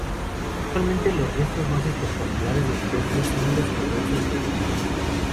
Actualmente los restos más espectaculares del templo son los Colosos de Memnón.